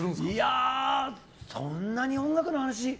そんなに音楽の話は。